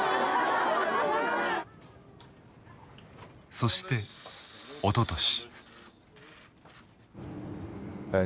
そしておととし。